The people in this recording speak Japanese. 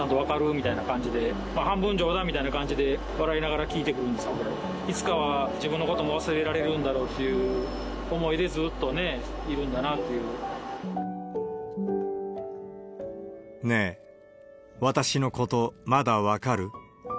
みたいな感じで、半分冗談みたいな感じで笑いながら聞いてくるんですけど、いつかは自分のことも忘れられるんだろうという思いでずっといるねぇ、私のこと、まだ分かる？